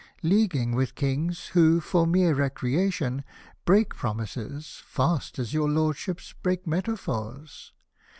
Leaguing with Kings, who, for mere recreation. Break promises, fast as your Lordship breaks metaphors.